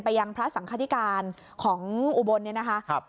ยังพระสังคธิการของอุบลเนี่ยนะคะ